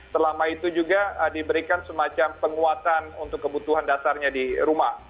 selama itu juga diberikan semacam penguatan untuk kebutuhan dasarnya di rumah